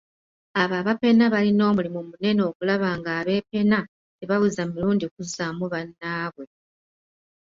Abo abapena balina omulimu munene okulaba ng'abeepena tebaweza mirundi kuzzaamu bannabwe.